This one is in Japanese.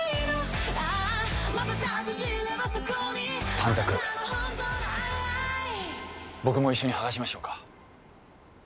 短冊僕も一緒に剥がしましょうか？